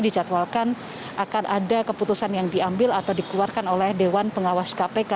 dijadwalkan akan ada keputusan yang diambil atau dikeluarkan oleh dewan pengawas kpk